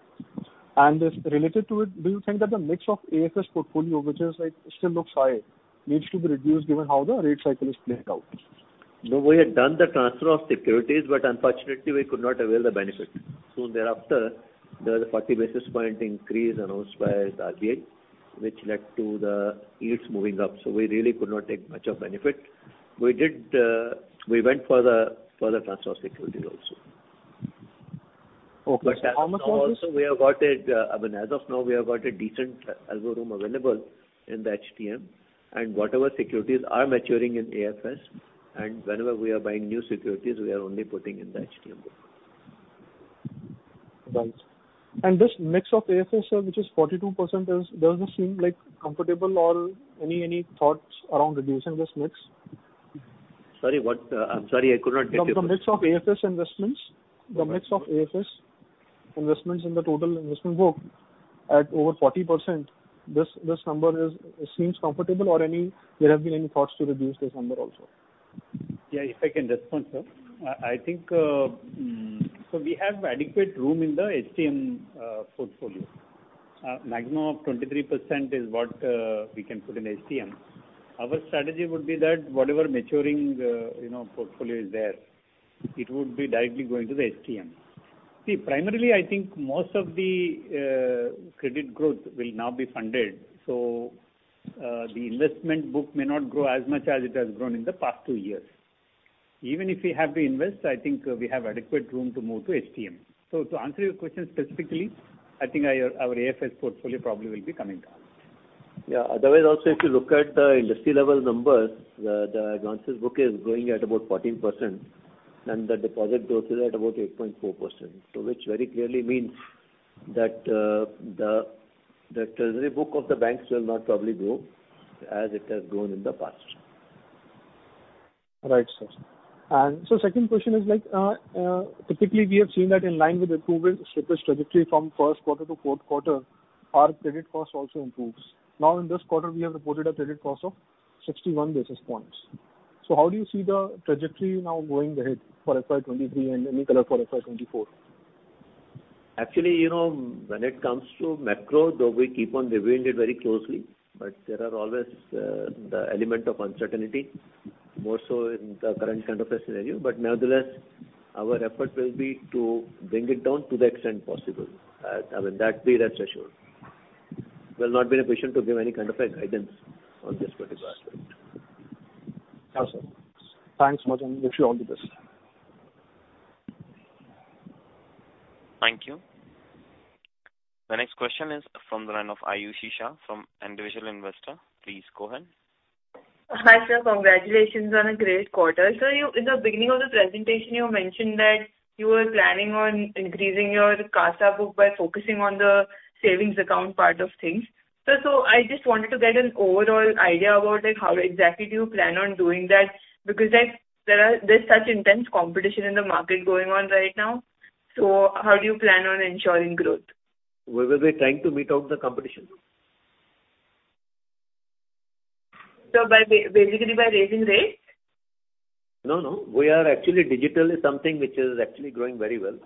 If related to it, do you think that the mix of AFS portfolio, which is like still looks high, needs to be reduced given how the rate cycle is playing out? No, we had done the transfer of securities, but unfortunately, we could not avail the benefit. Soon thereafter, there was a 40 basis point increase announced by the RBI, which led to the yields moving up. We really could not take much of benefit. We did, we went for the transfer of securities also. Okay. Now also, I mean, as of now, we have got a decent headroom available in the HTM and whatever securities are maturing in AFS, and whenever we are buying new securities, we are only putting in the HTM book. Right. This mix of AFS, sir, which is 42%, does it seem like comfortable or any thoughts around reducing this mix? Sorry, what? I'm sorry, I could not get your question. The mix of AFS investments in the total investment book at over 40%. This number seems comfortable, or have there been any thoughts to reduce this number also? Yeah, if I can respond, sir. I think we have adequate room in the HTM portfolio. Maximum of 23% is what we can put in HTM. Our strategy would be that whatever maturing, you know, portfolio is there, it would be directly going to the HTM. See, primarily, I think most of the credit growth will now be funded. The investment book may not grow as much as it has grown in the past two years. Even if we have to invest, I think we have adequate room to move to HTM. To answer your question specifically, I think our AFS portfolio probably will be coming down. Yeah. Otherwise, also, if you look at the industry level numbers, the advances book is growing at about 14% and the deposit growth is at about 8.4%. Which very clearly means that the treasury book of the banks will not probably grow as it has grown in the past. Right, sir. Second question is like, typically we have seen that in line with improvement, stark trajectory from Q1 to Q4, our credit cost also improves. Now in this quarter, we have reported a credit cost of 61 basis points. How do you see the trajectory now going ahead for FY 2023 and any color for FY 2024? Actually, you know, when it comes to macro, though we keep on reviewing it very closely, but there are always the element of uncertainty, more so in the current kind of a scenario. Nevertheless, our effort will be to bring it down to the extent possible. I mean, be rest assured. We'll not be in a position to give any kind of a guidance on this particular aspect. Okay, sir. Thanks. Wish you all the best. Thank you. The next question is from the line of Ayushi Shah from Individual Investor. Please go ahead. Hi, sir. Congratulations on a great quarter. Sir, you in the beginning of the presentation, you mentioned that you were planning on increasing your CASA book by focusing on the savings account part of things. Sir, I just wanted to get an overall idea about, like, how exactly do you plan on doing that? Because, like, there are, there's such intense competition in the market going on right now. How do you plan on ensuring growth? We will be trying to beat out the competition. Sir, basically by raising rates? No, no. We are actually digitally something which is actually growing very well.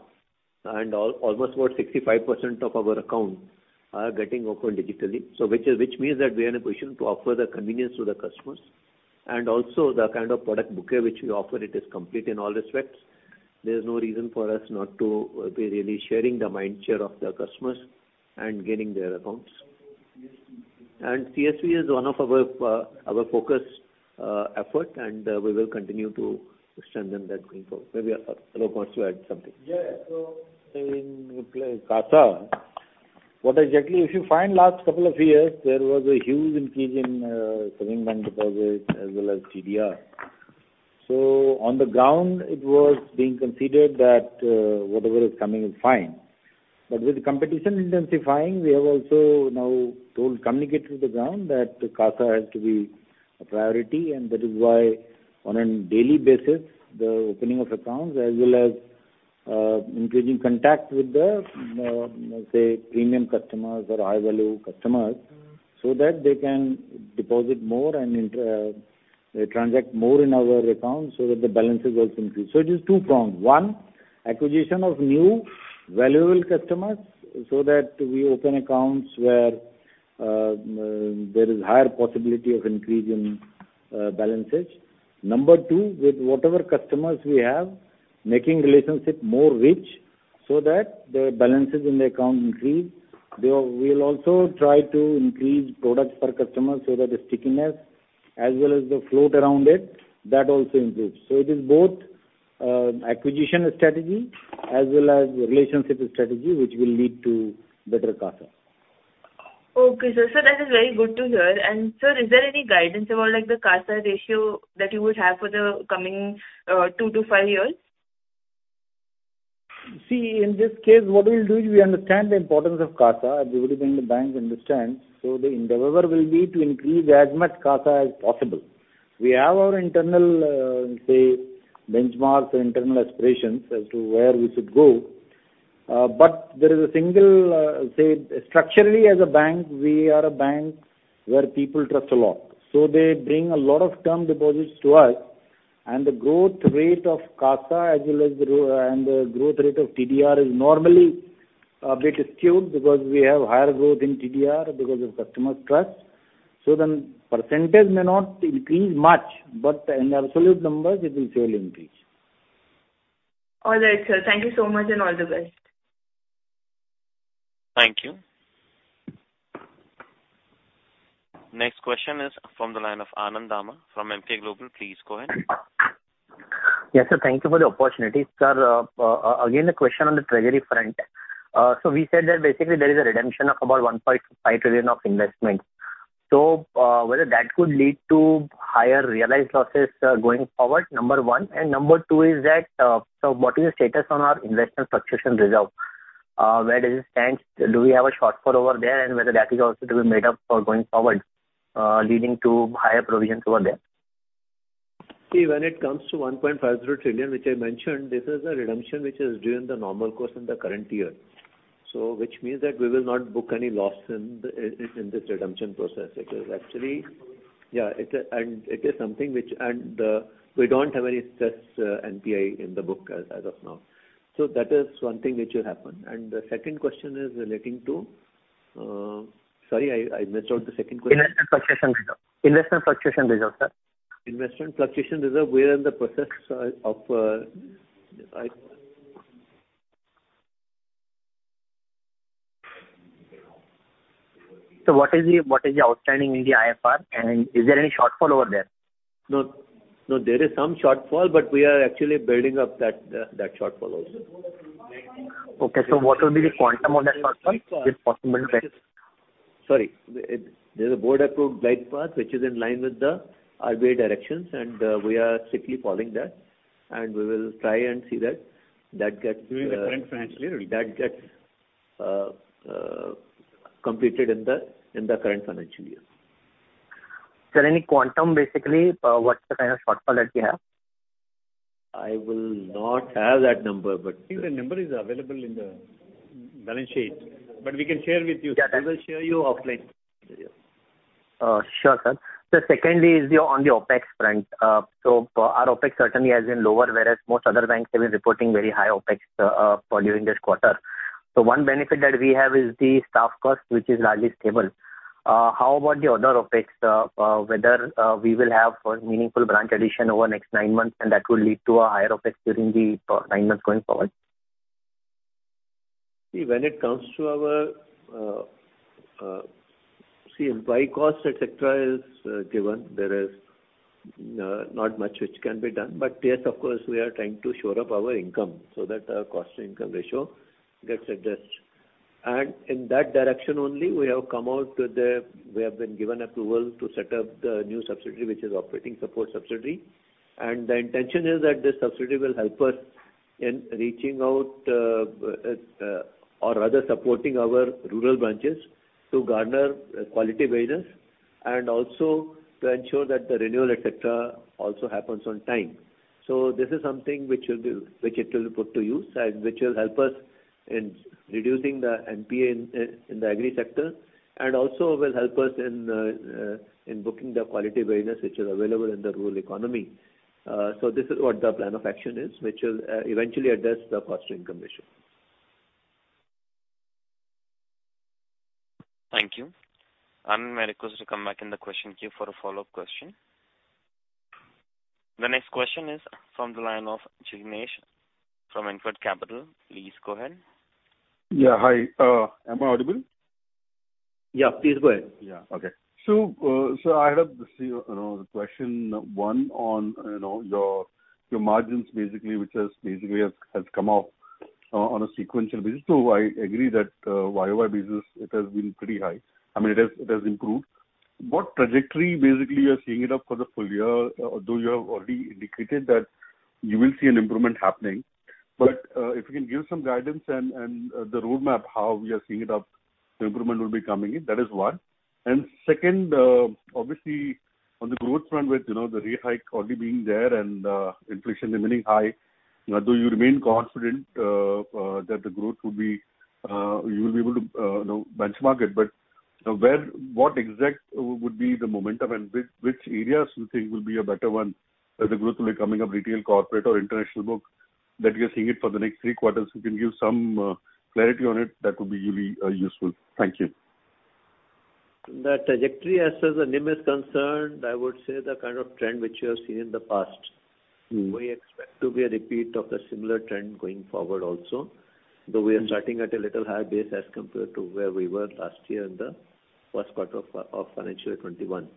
Almost about 65% of our accounts are getting opened digitally. Which means that we are in a position to offer the convenience to the customers. Also the kind of product bouquet which we offer it is complete in all respects. There's no reason for us not to be really sharing the mind share of the customers and gaining their accounts. CASA is one of our focus effort, and we will continue to strengthen that going forward. Maybe Alok wants to add something. In CASA, what exactly if you find last couple of years, there was a huge increase in savings bank deposits as well as TDR. On the ground it was being considered that whatever is coming is fine. But with competition intensifying, we have also now told, communicated to the ground that CASA has to be a priority and that is why on a daily basis, the opening of accounts as well as increasing contact with the say premium customers or high value customers so that they can deposit more and they transact more in our accounts so that the balances also increase. It is two-pronged. One, acquisition of new valuable customers so that we open accounts where there is higher possibility of increase in balances. Number two, with whatever customers we have, making relationship more rich so that the balances in the account increase. We'll also try to increase products per customer so that the stickiness as well as the float around it, that also improves. It is both, acquisition strategy as well as relationship strategy, which will lead to better CASA. Okay, sir. Sir, that is very good to hear. Sir, is there any guidance about, like, the CASA ratio that you would have for the coming, two to five years? See, in this case, what we'll do is we understand the importance of CASA. Everybody in the bank understands. The endeavor will be to increase as much CASA as possible. We have our internal benchmarks or internal aspirations as to where we should go. There is a single structurally as a bank. We are a bank where people trust a lot. They bring a lot of term deposits to us and the growth rate of CASA as well as the growth rate of TDR is normally a bit skewed because we have higher growth in TDR because of customer trust. Percentage may not increase much, but in absolute numbers it will surely increase. All right, sir. Thank you so much and all the best. Thank you. Next question is from the line of Anand Dama from Emkay Global. Please go ahead. Yes, sir. Thank you for the opportunity. Sir, again, a question on the treasury front. We said that basically there is a redemption of about 1.5 trillion of investment. Whether that could lead to higher realized losses going forward, number one. Number two is that, so what is the status on our investment fluctuation reserve? Where does it stand? Do we have a shortfall over there and whether that is also to be made up for going forward, leading to higher provisions over there? See, when it comes to 1.5 trillion, which I mentioned, this is a redemption which is due in the normal course in the current year. Which means that we will not book any loss in this redemption process. It is actually something which we don't have any such NPA in the book as of now. That is one thing which will happen. The second question is relating to, sorry, I missed out the second question. Investment Fluctuation Reserve, sir. Investment Fluctuation Reserve. We are in the process of.... What is the outstanding in the IFR and is there any shortfall over there? No, no, there is some shortfall, but we are actually building up that shortfall also. Okay. What will be the quantum of that shortfall if possible to share? Sorry. There's a board approved guide path which is in line with the RBI directions and we are strictly following that and we will try and see that gets...... During the current financial year. That gets completed in the current financial year. Sir, any quantum basically, what's the kind of shortfall that you have? I will not have that number, but.... I think the number is available in the balance sheet, but we can share with you. Yeah. We will share with you offline. Sure, sir. Secondly, on the OpEx front. Our OpEx certainly has been lower, whereas most other banks have been reporting very high OpEx during this quarter. One benefit that we have is the staff cost, which is largely stable. How about the other OpEx? Whether we will have a meaningful branch addition over next nine months and that will lead to a higher OpEx during the nine months going forward. When it comes to our employee cost, et cetera, is given. There is not much which can be done. Yes, of course, we are trying to shore up our income so that our cost income ratio gets addressed. In that direction only we have been given approval to set up the new subsidiary, which is operating support subsidiary. The intention is that this subsidiary will help us in reaching out, or rather supporting our rural branches to garner quality business and also to ensure that the renewal, et cetera, also happens on time. This is something which it will put to use and which will help us in reducing the NPA in the agri sector and also will help us in booking the quality business which is available in the rural economy. This is what the plan of action is, which will eventually address the cost income issue. Thank you. I'm very close to come back in the question queue for a follow-up question. The next question is from the line of Jignesh from InCred Capital. Please go ahead. Yeah. Hi. Am I audible? Yeah, please go ahead. Yeah. Okay. I have the same, you know, question, one on, you know, your margins basically, which has basically come up on a sequential basis, though I agree that YoY business, it has been pretty high. I mean it has improved. What trajectory basically you are seeing it up for the full year, though you have already indicated that you will see an improvement happening. If you can give some guidance and the roadmap, how we are seeing it up, the improvement will be coming in. That is one. Second, obviously on the growth front with, you know, the rate hike already being there and inflation remaining high, do you remain confident that the growth will be, you will be able to, you know, benchmark it, but where, what exact would be the momentum and which areas you think will be a better one as the growth will be coming up, retail, corporate or international book that you are seeing it for the next three quarters? You can give some clarity on it that would be really useful. Thank you. The trajectory as far as the NIM is concerned, I would say the kind of trend which you have seen in the past. Mm-hmm. We expect to be a repeat of the similar trend going forward also, though we are starting at a little higher base as compared to where we were last year in Q1 of financial 2021. As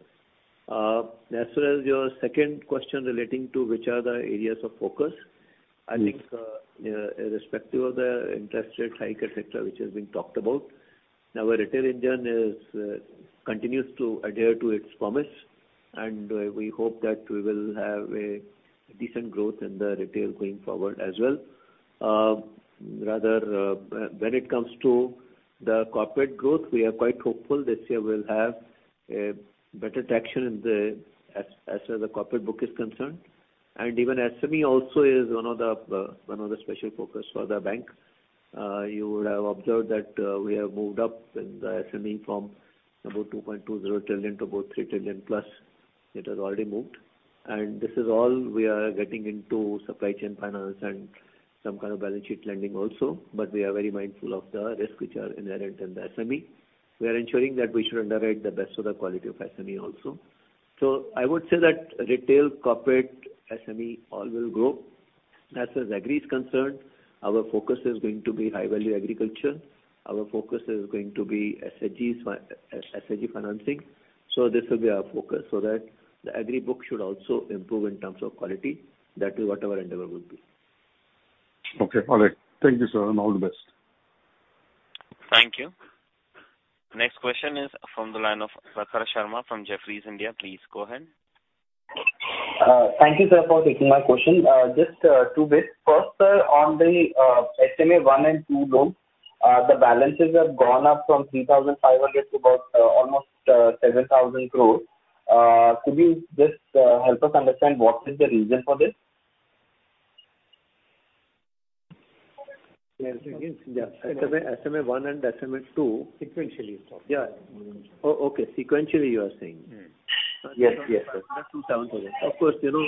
far as your second question relating to which are the areas of focus. Mm-hmm. I think, irrespective of the interest rate hike et cetera, which has been talked about, our retail engine is continues to adhere to its promise. We hope that we will have a decent growth in the retail going forward as well. Rather, when it comes to the corporate growth, we are quite hopeful this year we'll have a better traction in the as far as the corporate book is concerned. Even SME also is one of the special focus for the bank. You would have observed that, we have moved up in the SME from about 2.20 trillion to about 3+ trillion. It has already moved. This is all we are getting into supply chain finance and some kind of balance sheet lending also, but we are very mindful of the risks which are inherent in the SME. We are ensuring that we should underwrite the best of the quality of SME also. I would say that retail, corporate, SME, all will grow. As far as agri is concerned, our focus is going to be high-value agriculture. Our focus is going to be SHG financing. This will be our focus so that the agri book should also improve in terms of quality. That is what our endeavor will be. Okay. All right. Thank you, sir, and all the best. Thank you. Next question is from the line of Vatsal Shah from Jefferies India. Please go ahead. Thank you, sir, for taking my question. Just two bits. First, sir, on the SMA-1 and 2 loans, the balances have gone up from 3,500 to about almost 7,000 crores. Could you just help us understand what is the reason for this? Can you say again? Yeah. SMA-1 and SMA-2. Sequentially, he's talking. Yeah. Okay. Sequentially, you are saying. Yes, yes. From 3.5 to 7,000. Of course, you know,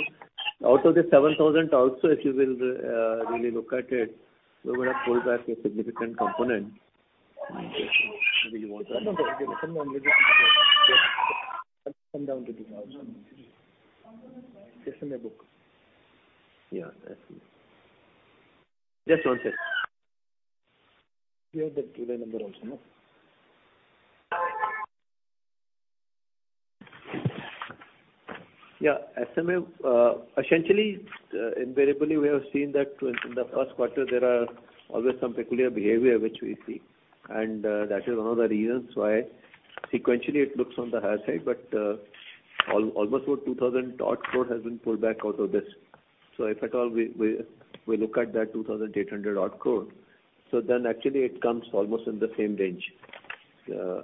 out of the INR 7,000 also, if you will, really look at it, we're gonna pull back a significant component. SMA. Just one sec. You have the number also, no? Yeah. SMA, essentially, invariably, we have seen that in Q1, there are always some peculiar behavior which we see, and that is one of the reasons why sequentially it looks on the higher side, but almost about 2,000-odd crore has been pulled back out of this. If at all we look at that 2,800-odd crore, then actually it comes almost in the same range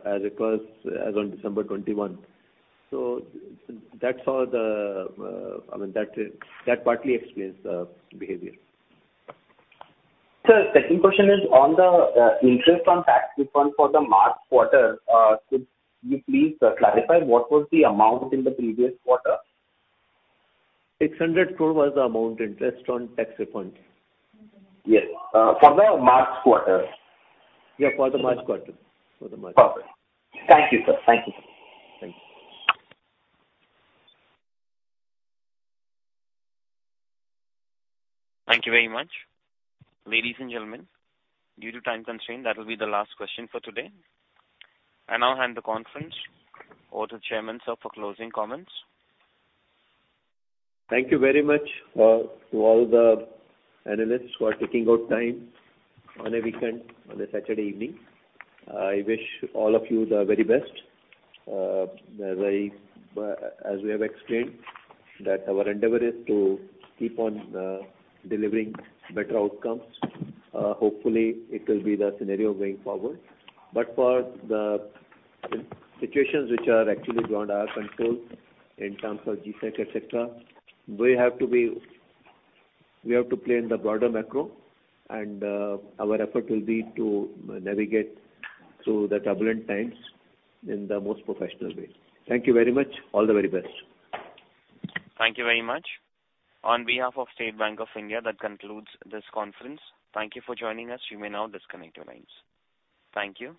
as it was as on December 2021. That's how I mean, that partly explains the behavior. Sir, second question is on the interest on tax refund for the March quarter. Could you please clarify what was the amount in the previous quarter? 600 crore was the amount, interest on tax refund. Yes. For the March quarter. Yeah, for the March quarter. Perfect. Thank you, sir. Thank you. Thank you. Thank you very much. Ladies and gentlemen, due to time constraint, that will be the last question for today. I now hand the conference over to Chairman sir for closing comments. Thank you very much to all the analysts who are taking out time on a weekend, on a Saturday evening. I wish all of you the very best. As we have explained that our endeavor is to keep on delivering better outcomes. Hopefully, it will be the scenario going forward. For the situations which are actually beyond our control in terms of G-Sec, et cetera, we have to play in the broader macro and our effort will be to navigate through the turbulent times in the most professional way. Thank you very much. All the very best. Thank you very much. On behalf of State Bank of India, that concludes this conference. Thank you for joining us. You may now disconnect your lines. Thank you.